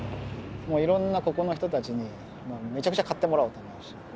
もういろんなここの人たちにめちゃくちゃ買ってもらおうと思うし